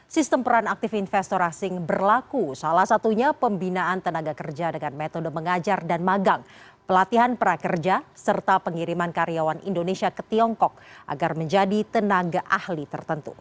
sistem peran aktif investor asing berlaku salah satunya pembinaan tenaga kerja dengan metode mengajar dan magang pelatihan prakerja serta pengiriman karyawan indonesia ke tiongkok agar menjadi tenaga ahli tertentu